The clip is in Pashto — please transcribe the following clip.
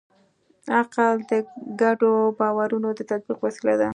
عقل د ګډو باورونو د تطبیق وسیله ده.